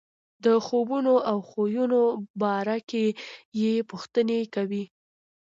د خوبونو او خویونو باره کې یې پوښتنې کوي.